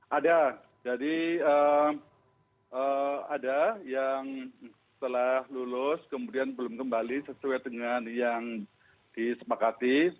ada jadi ada yang setelah lulus kemudian belum kembali sesuai dengan yang disepakati